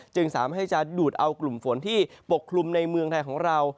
จึงสามารถให้จะดูดเอากลุ่มฝนที่ปกคลุมในเมืองไทยของเรา